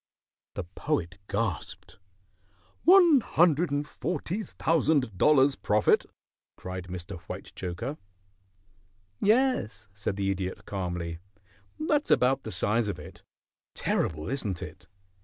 The Poet gasped. "One hundred and forty thousand dollars profit!" cried Mr. Whitechoker. "Yes," said the Idiot, calmly, "that's about the size of it. Terrible, isn't it?